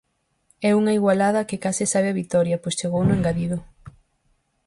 É unha igualada que case sabe a vitoria pois chegou no engadido.